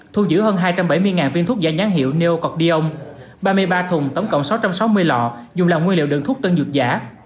thu giữ hơn hai trăm bảy mươi viên thuốc giả nhán hiệu neocordion ba mươi ba thùng tổng cộng sáu trăm sáu mươi lọ dùng làm nguyên liệu đường thuốc tân dược giả